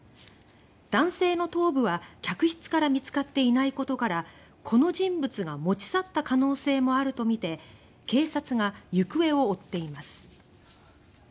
男性の頭部は、客室から見つかっていないことからこの人物が持ち去った可能性もあると見て警察が行方を追っています。